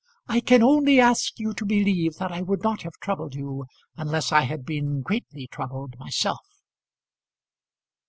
"I can only ask you to believe that I would not have troubled you unless I had been greatly troubled myself."